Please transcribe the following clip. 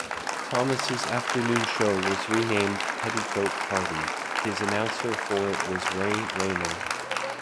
Thomas' afternoon show was renamed "Petticoat Party"; his announcer for it was Ray Rayner.